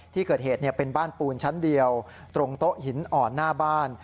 ที่เกิดเหตุเป็นบ้านปูนชั้นเดียวตรงโต๊ะหินอ่อนหน้าบ้าน